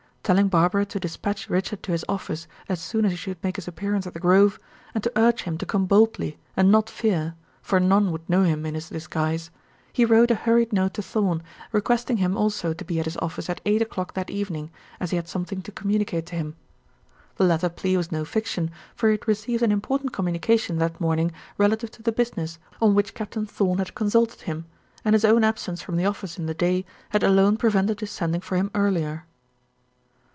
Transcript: Telling Barbara to dispatch Richard to his office as soon as he should make his appearance at the grove, and to urge him to come boldly and not fear, for none would know him in his disguise, he wrote a hurried note to Thorn, requesting him also to be at his office at eight o'clock that evening, as he had something to communicate to him. The latter plea was no fiction, for he had received an important communication that morning relative to the business on which Captain Thorn had consulted him, and his own absence from the office in the day had alone prevented his sending for him earlier.